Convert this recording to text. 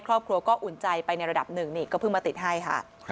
ครอบครัวก็อุ่นใจไปในระดับหนึ่งนี่ก็เพิ่งมาติดให้ค่ะ